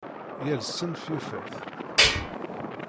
Yal ssenf yufa-t.